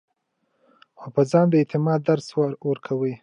او پۀ ځان د اعتماد درس ورکوي -